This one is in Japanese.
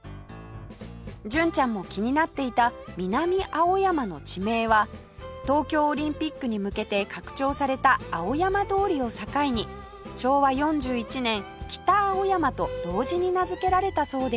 純ちゃんも気になっていた南青山の地名は東京オリンピックに向けて拡張された青山通りを境に昭和４１年北青山と同時に名付けられたそうです